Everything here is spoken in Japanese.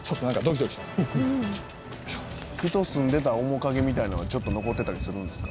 「人住んでた面影みたいのはちょっと残ってたりするんですか？」